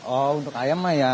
oh untuk ayam mah ya